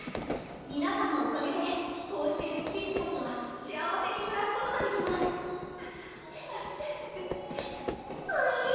皆さんのおかげでこうしてレシピッピたちは幸せにくらすことができますほえ